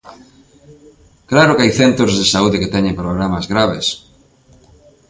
Claro que hai centros de saúde que teñen problemas graves.